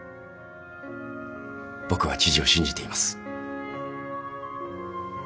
僕は知事を信じています。